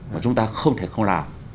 mà chúng ta không thể không làm